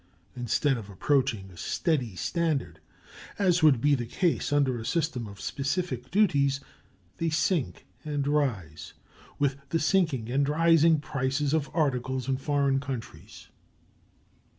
Instead of approaching a steady standard, as would be the case under a system of specific duties, they sink and rise with the sinking and rising prices of articles in foreign countries.